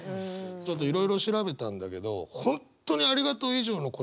ちょっといろいろ調べたんだけど本当に「ありがとう」以上の言葉探してんだね。